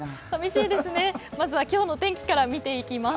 まずは今日の天気から見ていきます。